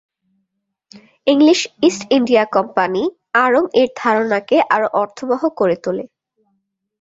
English East India Company আড়ং-এর ধারণাকে আরও অর্থবহ করে তোলে।